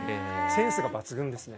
センスが抜群ですね。